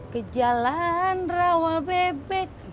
ke jalan rawal bebek